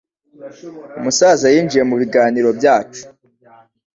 Umusaza yinjiye mubiganiro byacu.